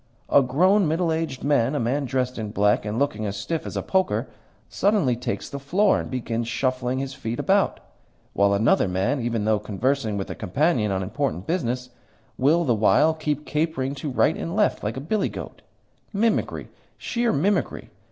A grown, middle aged man a man dressed in black, and looking as stiff as a poker suddenly takes the floor and begins shuffling his feet about, while another man, even though conversing with a companion on important business, will, the while, keep capering to right and left like a billy goat! Mimicry, sheer mimicry!